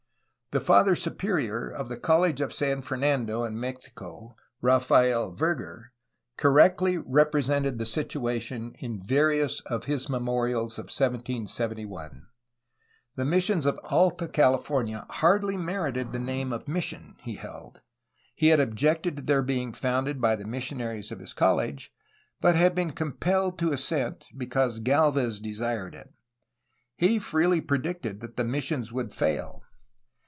The Father Superior of the College of San Fernando in Mexico, Rafael Verger, correctly represented the situation in various of his memorials of 1771. The missions of Alta California hardly merited the name of mission, he held. He had objected to their being founded by the missionaries of his college, but had been compelled to assent because Galvez desired it. He freely predicted that the missions would fail.